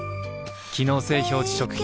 機能性表示食品